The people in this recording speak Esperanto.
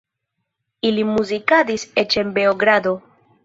Ili muzikadis eĉ en Beogrado.